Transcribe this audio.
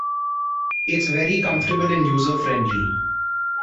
It's very comfortable and user-friendly.